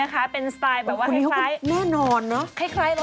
เห็นแบบนี้แล้วมันเข้าท่าดีจริงเลย